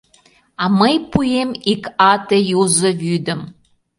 А мый пуэм ик ате юзо вӱдым.